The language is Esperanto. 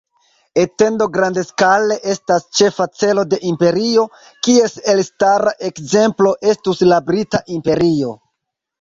Etendo grandskale estas ĉefa celo de imperio, kies elstara ekzemplo estus la Brita Imperio.